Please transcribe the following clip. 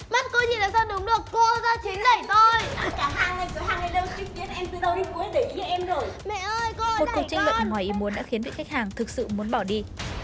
một cuộc trích luận ngoài im muốn đã khiến vị khách hàng thực sự muốn bỏ đi